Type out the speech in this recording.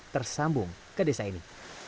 tersambung ke desa ini